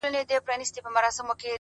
• هر څه منم پر شخصيت باندي تېرى نه منم؛